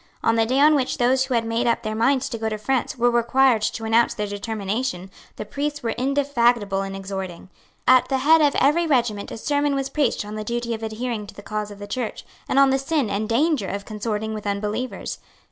On the day on which those who had made up their minds to go to France were required to announce their determination, the priests were indefatigable in exhorting. At the head of every regiment a sermon was preached on the duty of adhering to the cause of the Church, and on the sin and danger of consorting with unbelievers.